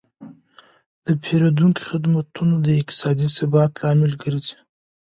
د پیرودونکو خدمتونه د اقتصادي ثبات لامل ګرځي.